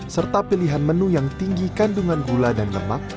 serta pilihan menu yang tinggi kandungan gula dan lemak